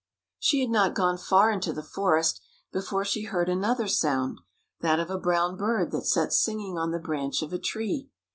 She had not gone far into the forest before she heard another sound, that of a brown bird that sat singing on the branch of a tree.